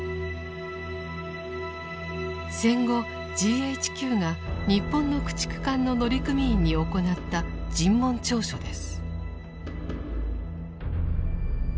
戦後ＧＨＱが日本の駆逐艦の乗組員に行った尋問調書です。